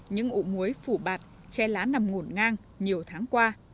những ụ muối phủ bạt che lá nằm ngổn ngang nhiều tháng qua